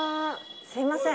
すみません。